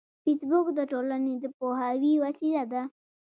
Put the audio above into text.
فېسبوک د ټولنې د پوهاوي وسیله ده